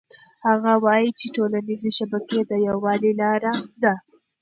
هغه وایي چې ټولنيزې شبکې د یووالي لاره ده.